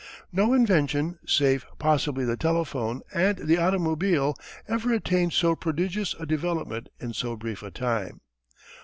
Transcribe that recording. No invention save possibly the telephone and the automobile ever attained so prodigious a development in so brief a time.